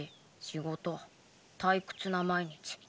仕事退屈な毎日。